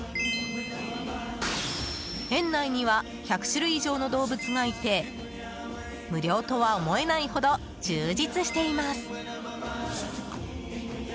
園内には１００種類以上の動物がいて無料とは思えないほど充実しています。